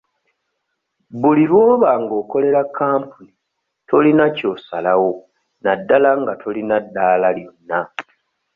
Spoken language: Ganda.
Buli lw'oba ng'okolera kampuni tolina ky'osalawo naddala nga tolina ddaala lyonna.